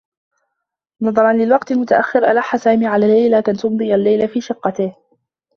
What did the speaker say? نظرا للوقت المتأخّر، ألحّ سامي على ليلى كي تمضي اللّيلة في شقّته.